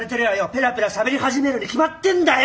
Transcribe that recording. ペラペラしゃべり始めるに決まってんだよ！